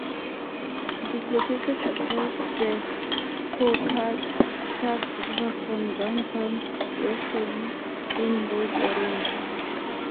It is located across the Pawcatuck River from Downtown Westerly in Rhode Island.